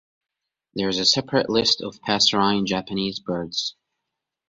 There is a separate list of passerine Japanese birds.